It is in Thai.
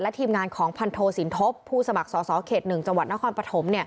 และทีมงานของพันโทษินทบผู้สมัครสอบเขต๑จนครปฐม